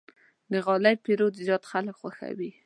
د غالۍ پېرود زیات خلک خوښوي.